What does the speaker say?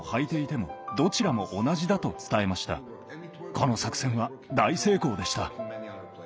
この作戦は大成功でした。